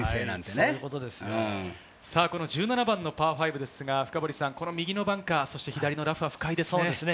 １７番のパー５ですが、右のバンカー、左のラフは深いですね。